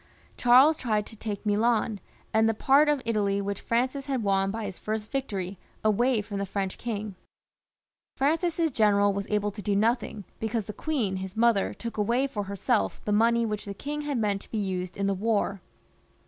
Charles tried to take Milan and the part of Italy which Francis had won by his first victory, away from the French king, Francis's general was able to do nothing, because the queen, his mother, took away for herself the money which the king had meant to be used in the war.